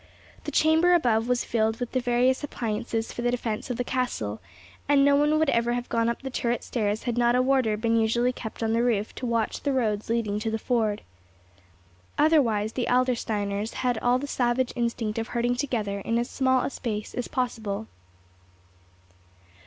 The chamber above was filled with the various appliances for the defence of the castle; and no one would have ever gone up the turret stairs had not a warder been usually kept on the roof to watch the roads leading to the Ford. Otherwise the Adlersteiners had all the savage instinct of herding together in as small a space as possible.